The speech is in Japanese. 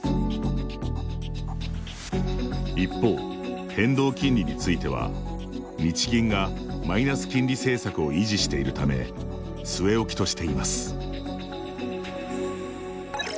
一方、変動金利については日銀が、マイナス金利政策を維持しているため据え置きとしています。